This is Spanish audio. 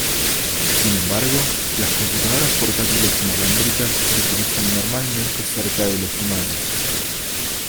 Sin embargo, las computadoras portátiles inalámbricas se utilizan normalmente cerca de los humanos.